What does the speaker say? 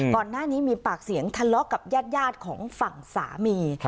ก่อนหน้านี้มีปากเสียงทะเลาะกับญาติของฝั่งสามี